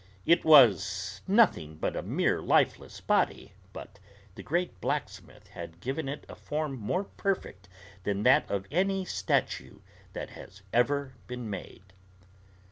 It was nothing but a mere lifeless body, but the great blacksmith had given it a form more perfect than that of any statue that has ever been made.